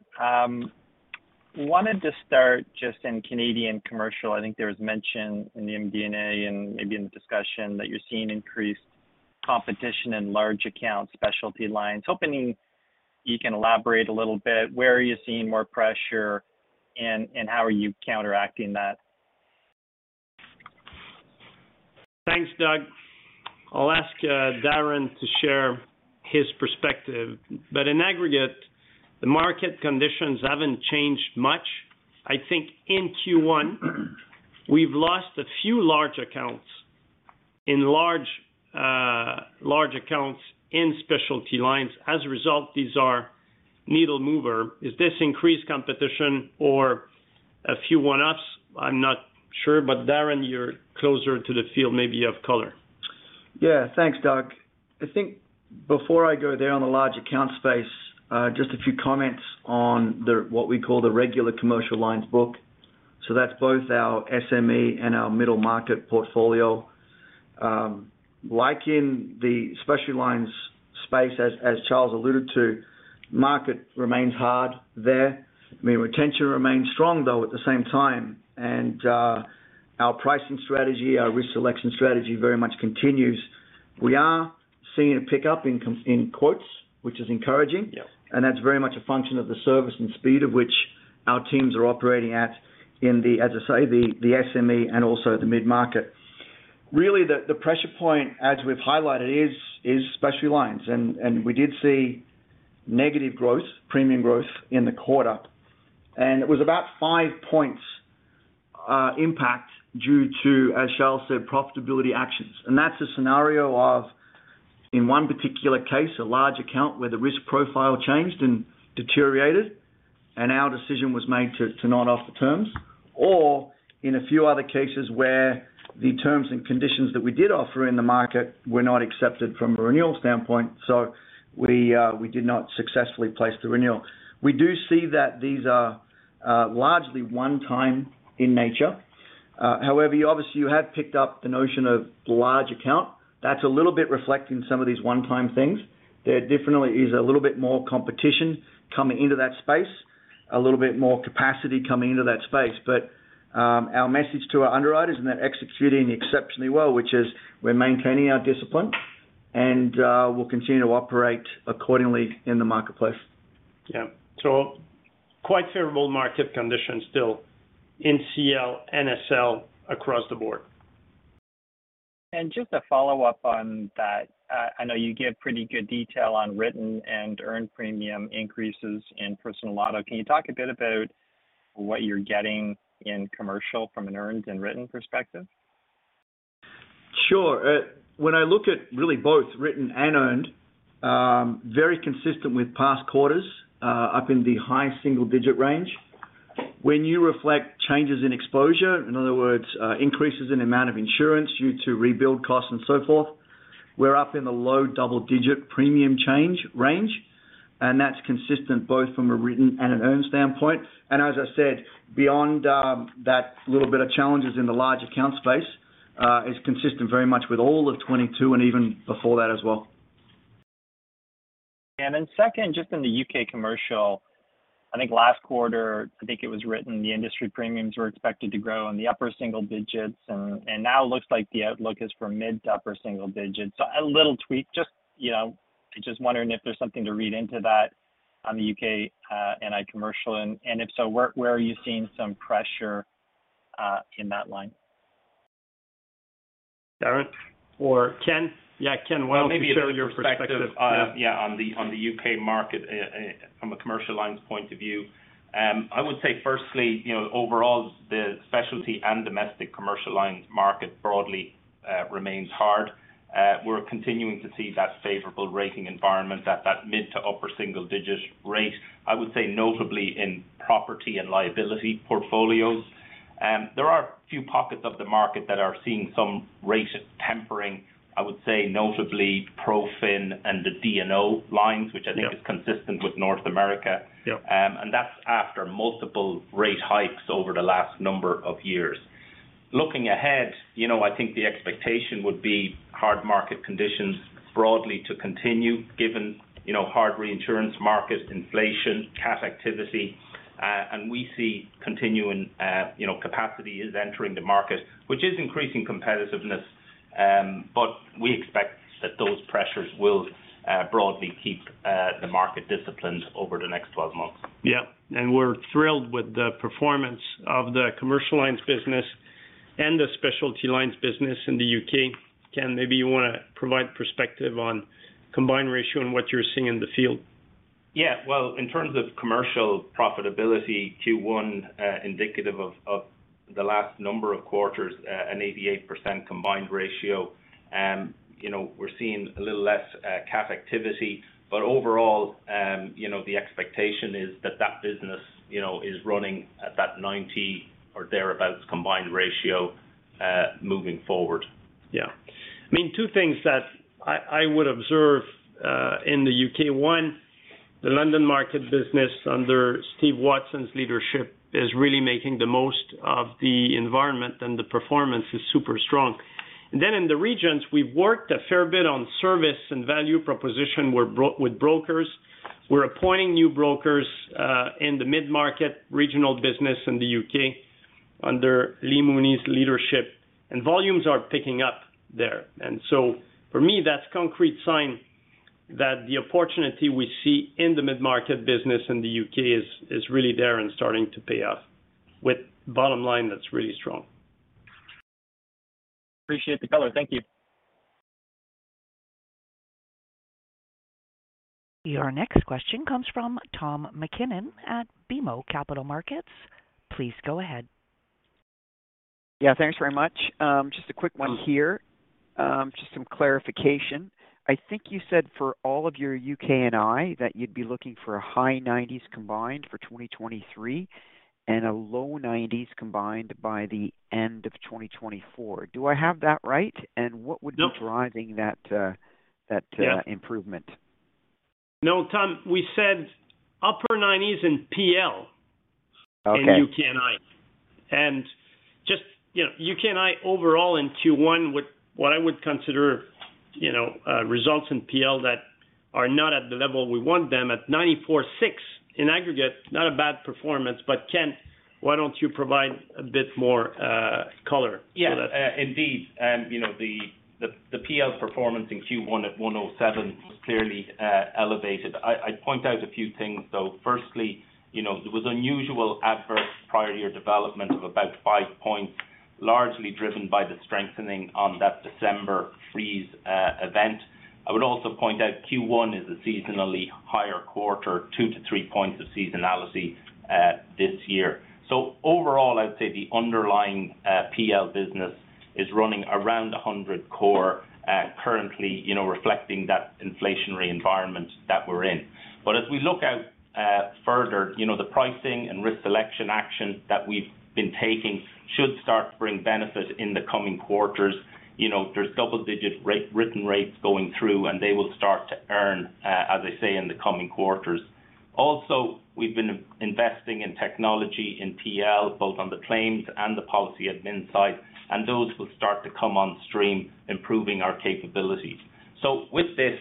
Wanted to start just in Canadian commercial. I think there was mention in the MD&A and maybe in the discussion that you're seeing increased competition in large account specialty lines. Hoping you can elaborate a little bit. Where are you seeing more pressure and how are you counteracting that? Thanks, Doug. I'll ask Darren to share his perspective. In aggregate, the market conditions haven't changed much. I think in Q1, we've lost a few large accounts. In large accounts in specialty lines. As a result, these are needle mover. Is this increased competition or a few one-offs? I'm not sure. Darren, you're closer to the field, maybe you have color. Yeah. Thanks, Doug. I think before I go there on the large account space, just a few comments on the, what we call the regular commercial lines book. That's both our SME and our middle market portfolio. Like in the specialty lines space, as Charles alluded to, market remains hard there. I mean, retention remains strong, though, at the same time. Our pricing strategy, our risk selection strategy very much continues. We are seeing a pickup in in quotes, which is encouraging. Yeah. That's very much a function of the service and speed of which our teams are operating at in the SME and also the mid-market. The pressure point, as we've highlighted, is specialty lines. We did see negative growth, premium growth in the quarter. It was about 5 points impact due to, as Charles said, profitability actions. That's a scenario of, in one particular case, a large account where the risk profile changed and deteriorated, and our decision was made to not offer terms. In a few other cases where the terms and conditions that we did offer in the market were not accepted from a renewal standpoint, so we did not successfully place the renewal. We do see that these are largely one-time in nature. However, you obviously have picked up the notion of large account. That's a little bit reflecting some of these one-time things. There definitely is a little bit more competition coming into that space, a little bit more capacity coming into that space. Our message to our underwriters, and they're executing exceptionally well, which is we're maintaining our discipline and we'll continue to operate accordingly in the marketplace. Yeah. Quite favorable market conditions still in CL, NSL across the board. Just a follow-up on that. I know you give pretty good detail on written and earned premium increases in personal auto. Can you talk a bit about what you're getting in commercial from an earned and written perspective? Sure. When I look at really both written and earned, very consistent with past quarters, up in the high single-digit range. When you reflect changes in exposure, in other words, increases in amount of insurance due to rebuild costs and so forth, we're up in the low double-digit premium change range, and that's consistent both from a written and an earned standpoint. As I said, beyond that little bit of challenges in the large account space, is consistent very much with all of 2022 and even before that as well. Second, just in the U.K. commercial, I think last quarter, I think it was written, the industry premiums were expected to grow in the upper single digits and now looks like the outlook is for mid to upper single digits. A little tweak. Just, you know, just wondering if there's something to read into that on the U.K. NI commercial, and if so, where are you seeing some pressure in that line? Darren or Ken? Yeah, Ken, why don't you share your perspective? Well, maybe a different perspective on the UK market from a commercial lines point of view. I would say firstly, you know, overall, the specialty and domestic commercial lines market broadly remains hard. We're continuing to see that favorable rating environment at that mid to upper single-digit rate. I would say notably in property and liability portfolios. There are a few pockets of the market that are seeing some rate tempering. I would say notably Pro-Fin and the D&O lines. Yeah. Is consistent with North America. Yeah. That's after multiple rate hikes over the last number of years. Looking ahead, you know, I think the expectation would be hard market conditions broadly to continue given, you know, hard reinsurance market inflation, CAT activity. We see continuing, you know, capacity is entering the market, which is increasing competitiveness. We expect that those pressures will broadly keep the market disciplined over the next 12 months. Yeah. We're thrilled with the performance of the commercial alliance business and the specialty alliance business in the U.K. Ken, maybe you wanna provide perspective on combined ratio and what you're seeing in the field. Yeah. Well, in terms of commercial profitability, Q1, indicative of the last number of quarters, an 88% combined ratio. You know, we're seeing a little less CAT activity. Overall, you know, the expectation is that that business, you know, is running at that 90 or thereabout combined ratio moving forward. Yeah. I mean, two things that I would observe in the U.K. One, the London market business under Steve Watson's leadership is really making the most of the environment, and the performance is super strong. Then in the regions, we've worked a fair bit on service and value proposition with brokers. We're appointing new brokers in the mid-market regional business in the U.K. under Lee Mooney's leadership, and volumes are picking up there. So for me, that's concrete sign that the opportunity we see in the mid-market business in the U.K. is really there and starting to pay off with bottom line that's really strong. Appreciate the color. Thank you. Your next question comes from Tom MacKinnon at BMO Capital Markets. Please go ahead. Yeah, thanks very much. Just a quick one here. Just some clarification. I think you said for all of your UK&I, that you'd be looking for a high 90s combined for 2023 and a low 90s combined by the end of 2024. Do I have that right? What would- No. -be driving that improvement? No, Tom, we said upper 90s in PL- Okay. in UK&I. Just, you know, UK&I overall in Q1 with what I would consider, you know, results in PL that are not at the level we want them, at 94.6% in aggregate, not a bad performance. Ken, why don't you provide a bit more color for that? Indeed, you know, the PL performance in Q1 at 107 was clearly elevated. I'd point out a few things, though. Firstly, you know, there was unusual adverse prior year development of about five points. Largely driven by the strengthening on that December freeze event. I would also point out Q1 is a seasonally higher quarter, two to three points of seasonality this year. Overall, I'd say the underlying PL business is running around 100 core currently, you know, reflecting that inflationary environment that we're in. As we look out further, you know, the pricing and risk selection action that we've been taking should start to bring benefit in the coming quarters. You know, there's double-digit written rates going through. They will start to earn, as I say, in the coming quarters. We've been investing in technology in PL, both on the claims and the policy admin side. Those will start to come on stream, improving our capabilities. With this,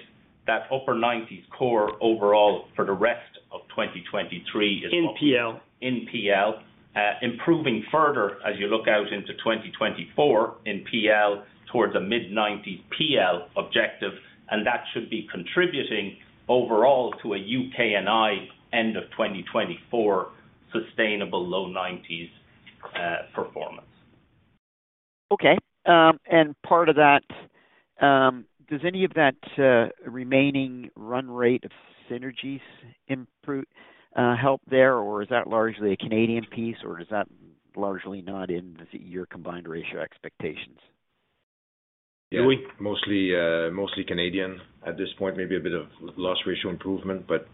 that upper 90s core overall for the rest of 2023. In PL. In PL. Improving further as you look out into 2024 in PL towards a mid-90s PL objective. That should be contributing overall to a UK&I end of 2024 sustainable low 90s performance. Okay. Part of that, does any of that remaining run rate of synergies improve, help there, or is that largely a Canadian piece, or is that largely not in your combined ratio expectations? Louis? Mostly Canadian at this point. Maybe a bit of loss ratio improvement, but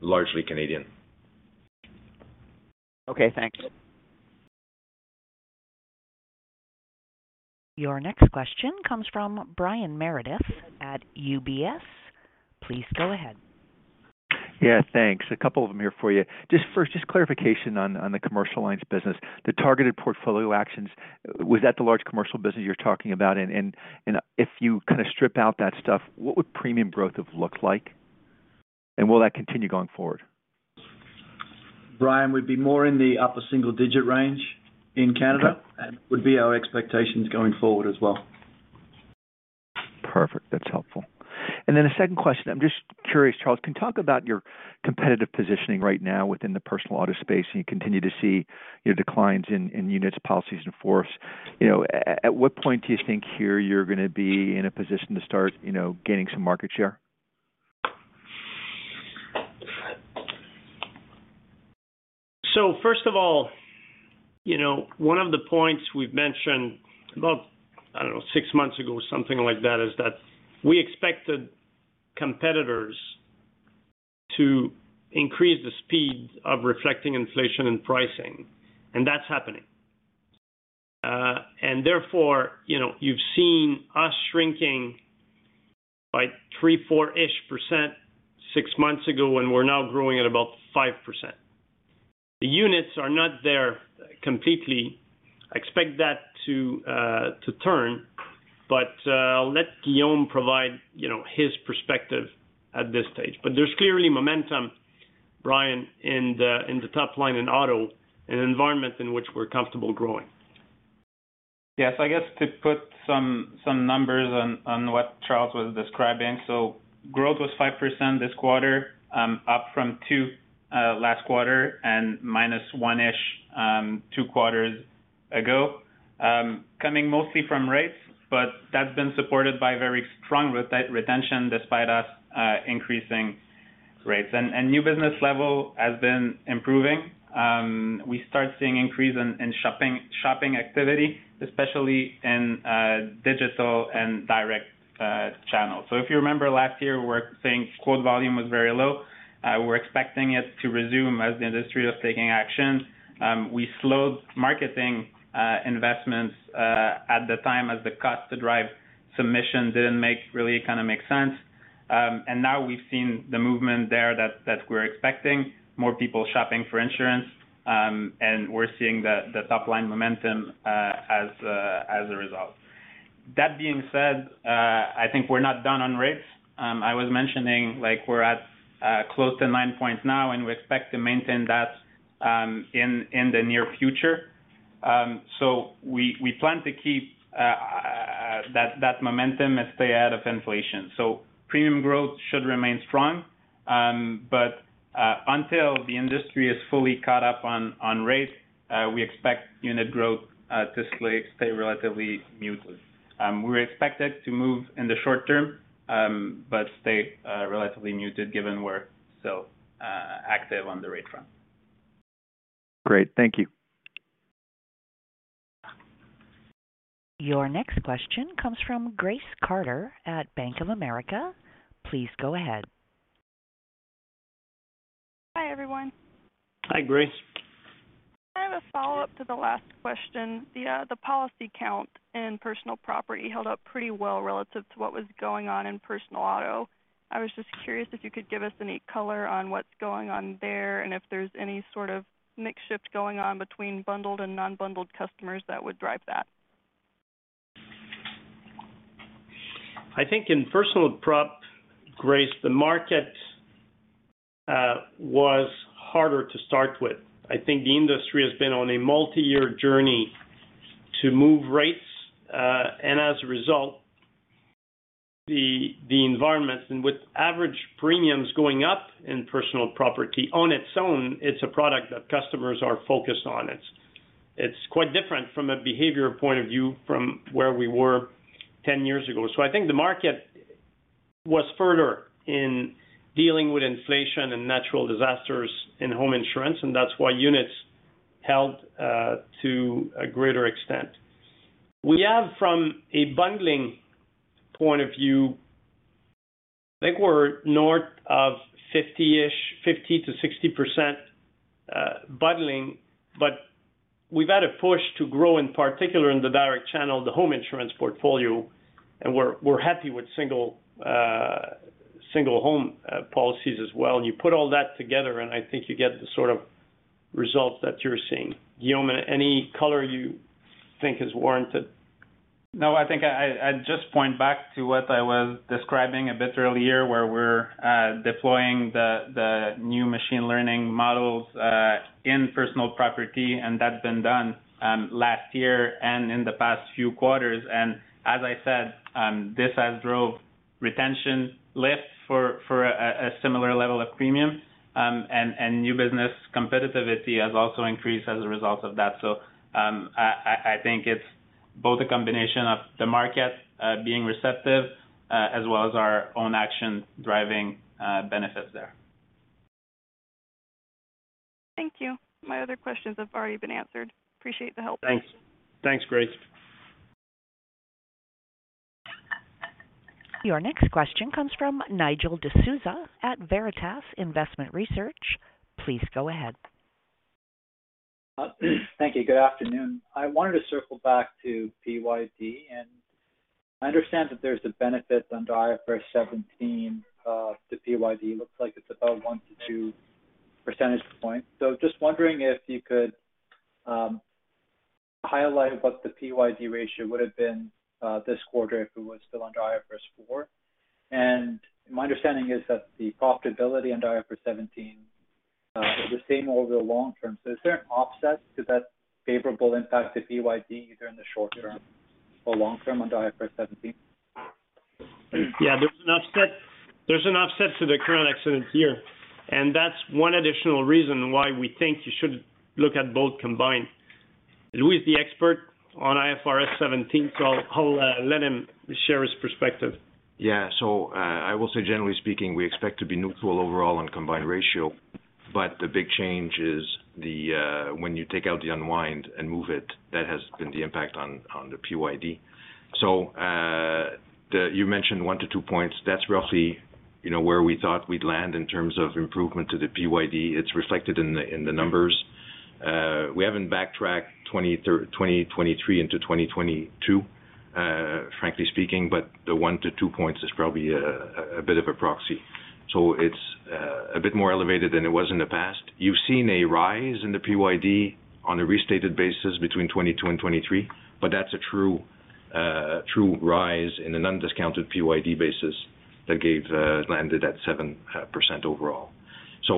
largely Canadian. Okay, thanks. Your next question comes from Brian Meredith at UBS. Please go ahead. Yeah, thanks. A couple of them here for you. Just first, just clarification on the commercial lines business. The targeted portfolio actions, was that the large commercial business you're talking about? If you kinda strip out that stuff, what would premium growth have looked like? Will that continue going forward? Brian would be more in the upper single digit range in Canada. Okay. Would be our expectations going forward as well. Perfect. That's helpful. Then a second question. I'm just curious, Charles, can you talk about your competitive positioning right now within the personal auto space, and you continue to see your declines in units, policies in force. You know, at what point do you think here you're gonna be in a position to start, you know, gaining some market share? First of all, you know, one of the points we've mentioned about, I don't know, six months ago or something like that, is that we expected competitors to increase the speed of reflecting inflation and pricing, and that's happening. Therefore, you know, you've seen us shrinking by 3%-4% six months ago, and we're now growing at about 5%. The units are not there completely. I expect that to turn. I'll let Guillaume provide, you know, his perspective at this stage. There's clearly momentum, Brian, in the top line in auto, an environment in which we're comfortable growing. I guess to put some numbers on what Charles was describing. Growth was 5% this quarter, up from two last quarter and one-ish two quarters ago, coming mostly from rates, but that's been supported by very strong rate retention despite us increasing rates. New business level has been improving. We start seeing increase in shopping activity, especially in digital and direct channels. If you remember last year, we're saying quote volume was very low. We're expecting it to resume as the industry was taking action. We slowed marketing investments at the time as the cost to drive submission really kinda make sense. Now we've seen the movement there that we're expecting, more people shopping for insurance, and we're seeing the top line momentum as a result. That being said, I think we're not done on rates. I was mentioning like we're at close to nine points now, and we expect to maintain that in the near future. We plan to keep that momentum and stay ahead of inflation. Premium growth should remain strong. Until the industry is fully caught up on rates, we expect unit growth to stay relatively muted. We're expected to move in the short term, but stay relatively muted given we're so active on the rate front. Great. Thank you. Your next question comes from Grace Carter at Bank of America. Please go ahead. Hi, everyone. Hi, Grace. I have a follow-up to the last question. The policy count and personal property held up pretty well relative to what was going on in personal auto. I was just curious if you could give us any color on what's going on there and if there's any sort of mix shift going on between bundled and non-bundled customers that would drive that. I think in personal prop, Grace, the market was harder to start with. I think the industry has been on a multi-year journey to move rates, and as a result. The environments and with average premiums going up in personal property on its own, it's a product that customers are focused on. It's quite different from a behavior point of view from where we were 10 years ago. I think the market was further in dealing with inflation and natural disasters in home insurance, and that's why units held to a greater extent. We have from a bundling point of view, I think we're north of 50-ish, 50%-60% bundling, but we've had a push to grow, in particular in the direct channel, the home insurance portfolio, and we're happy with single home policies as well. You put all that together, and I think you get the sort of results that you're seeing. Guillaume, any color you think is warranted? No, I think I just point back to what I was describing a bit earlier, where we're deploying the new machine learning models in personal property, and that's been done last year and in the past few quarters. As I said, this has drove retention lifts for a similar level of premium. New business competitiveness has also increased as a result of that. I think it's both a combination of the market being receptive as well as our own action driving benefits there. Thank you. My other questions have already been answered. Appreciate the help. Thanks. Thanks, Grace. Your next question comes from Nigel D'Souza at Veritas Investment Research. Please go ahead. Thank you. Good afternoon. I wanted to circle back to PYD. I understand that there's the benefit under IFRS 17 to PYD. Looks like it's about 1 to 2 percentage points. Just wondering if you could highlight what the PYD ratio would have been this quarter if it was still under IFRS 4. My understanding is that the profitability under IFRS 17 is the same over the long term. Is there an offset to that favorable impact to PYD either in the short term or long term under IFRS 17? Yeah, there's an offset to the current accident year. That's one additional reason why we think you should look at both combined. Louis is the expert on IFRS 17, I'll let him share his perspective. I will say generally speaking, we expect to be neutral overall on combined ratio. The big change is the, when you take out the unwind and move it, that has been the impact on the PYD. The-You mentioned one to two points. That's roughly, you know, where we thought we'd land in terms of improvement to the PYD. It's reflected in the, in the numbers. We haven't backtracked 2023 into 2022, frankly speaking, but the one to two points is probably a bit of a proxy. It's a bit more elevated than it was in the past. You've seen a rise in the PYD on a restated basis between 2022 and 2023, that's a true rise in an undiscounted PYD basis that landed at 7% overall.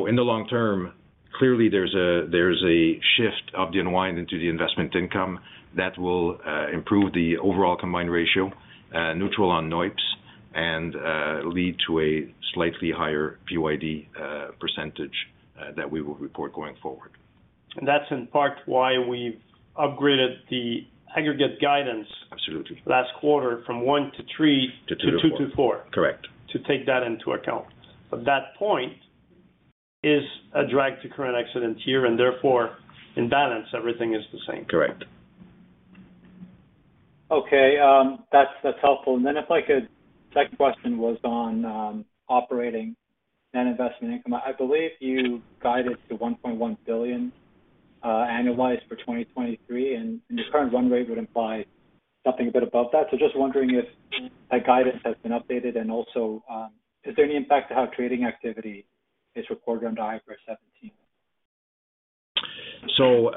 In the long term, clearly there's a shift of the unwind into the investment income that will improve the overall combined ratio, neutral on NOIPS and lead to a slightly higher PYD % that we will report going forward. That's in part why we've upgraded the aggregate guidance. Absolutely. Last quarter from one-three to two-four. Correct. To take that into account. That point is a drag to current accident year and therefore in balance everything is the same. Correct. Okay, that's helpful. If I could, second question was on operating and investment income. I believe you guided to 1.1 billion annualized for 2023 and your current run rate would imply something a bit above that. Just wondering if that guidance has been updated and also, is there any impact to how trading activity is recorded under IFRS 17?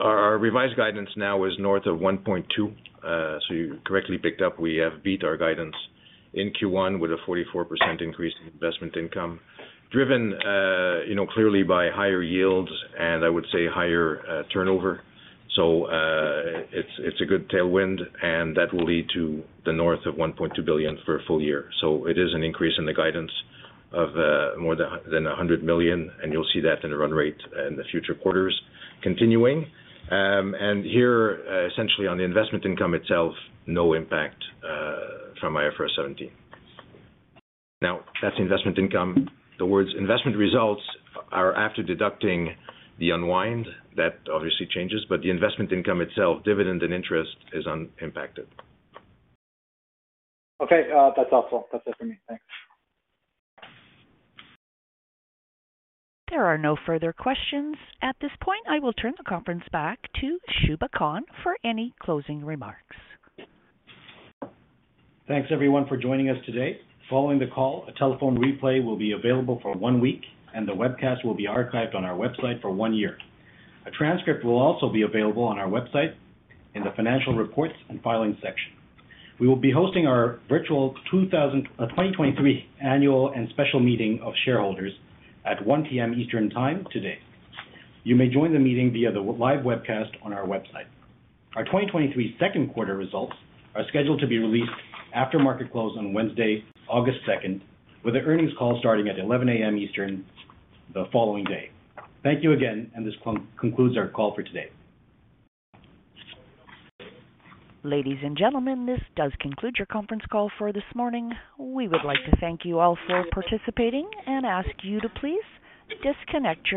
Our revised guidance now is north of 1.2 billion. You correctly picked up, we have beat our guidance in Q1 with a 44% increase in investment income driven, you know, clearly by higher yields and I would say higher turnover. It's a good tailwind and that will lead to the north of 1.2 billion for a full year. It is an increase in the guidance of more than 100 million, and you'll see that in the run rate in the future quarters continuing. Here, essentially on the investment income itself, no impact from IFRS 17. Now that's investment income. The words investment results are after deducting the unwind. That obviously changes, but the investment income itself, dividend and interest, is unimpacted. That's helpful. That's it for me. Thanks. There are no further questions. At this point, I will turn the conference back to Shubha Khan for any closing remarks. Thanks, everyone for joining us today. Following the call, a telephone replay will be available for 1 week and the webcast will be archived on our website for one year. A transcript will also be available on our website in the Financial Reports and Filings section. We will be hosting our virtual 2023 Annual and Special Meeting of Shareholders at 1:00 P.M. Eastern time today. You may join the meeting via the live webcast on our website. Our 2023 Q2 results are scheduled to be released after market close on Wednesday, August 2, with the earnings call starting at 11:00 A.M. Eastern the following day. Thank you again. This concludes our call for today. Ladies and gentlemen, this does conclude your conference call for this morning. We would like to thank you all for participating and ask you to please disconnect your devices.